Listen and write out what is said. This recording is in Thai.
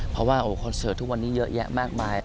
เพราะว่าคอนเสิร์ตทุกวันนี้เยอะแยะมากมาย